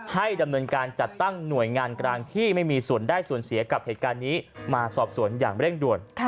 ให้ดำเนินการจัดตั้งหน่วยงานกลางที่ไม่มีส่วนได้ส่วนเสียกับเหตุการณ์นี้มาสอบสวนอย่างเร่งด่วน